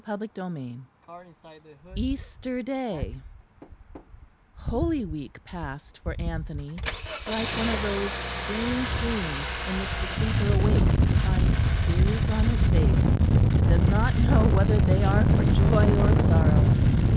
CHAPTER XIV EASTER DAY Holy Week passed for Anthony like one of those strange dreams in which the sleeper awakes to find tears on his face, and does not know whether they are for joy or sorrow.